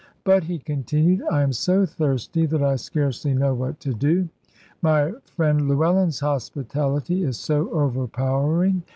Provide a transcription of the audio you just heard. "But," he continued, "I am so thirsty that I scarcely know what to do. My friend Llewellyn's hospitality is so overpowering.